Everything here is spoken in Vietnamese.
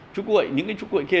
chú quệ những chú quệ kia